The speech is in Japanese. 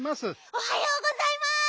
おはようございます！